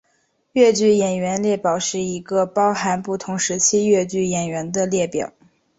越剧演员列表是一个包含不同时期越剧演员的列表。